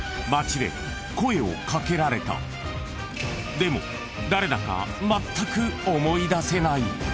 ［でも誰だかまったく思い出せない］